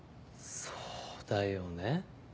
そうだよね。